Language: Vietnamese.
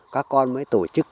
các con mới tổ chức